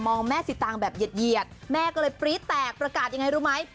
แม่สิตางแบบเหยียดแม่ก็เลยปรี๊ดแตกประกาศยังไงรู้ไหม